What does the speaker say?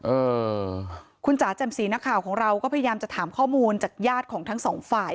เออคุณจ๋าแจ่มสีนักข่าวของเราก็พยายามจะถามข้อมูลจากญาติของทั้งสองฝ่าย